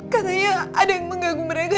katanya ada yang menggaguh mereka